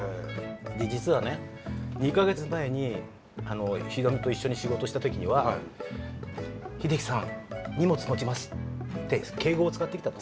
で実はね２か月前にひろみと一緒に仕事した時には「秀樹さん荷物持ちます」って敬語を使ってきたと。